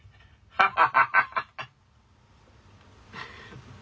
ハハハハ。